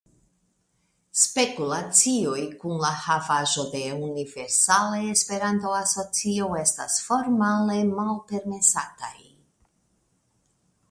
Spekulacioj kun la havaĵo de Universala Esperanto Asocio estas formale malpermesataj.